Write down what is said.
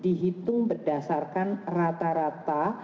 dihitung berdasarkan rata rata